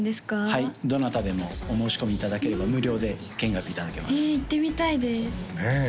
はいどなたでもお申し込みいただければ無料で見学いただけますへえ行ってみたいですねえ